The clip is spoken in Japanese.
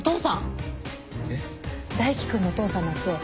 大樹君のお父さんなんて